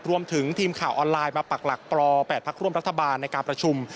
ทีมข่าวออนไลน์มาปักหลักรอ๘พักร่วมรัฐบาลในการประชุม